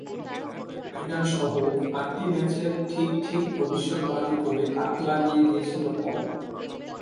ফাইনালসহ আটটি ম্যাচের ঠিক ঠিক ভবিষ্যদ্বাণী করে তাক লাগিয়ে দিয়েছিল পল।